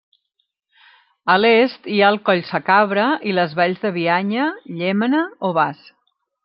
A l'est hi ha el Collsacabra i les valls de Bianya, Llémena o Bas.